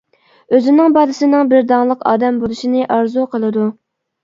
ئۆزىنىڭ بالىسىنىڭ بىر داڭلىق ئادەم بولۇشىنى ئارزۇ قىلىدۇ.